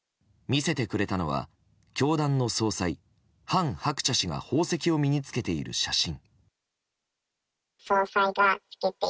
見せてくれたのは教団の総裁、韓鶴子氏が宝石を身に着けている写真。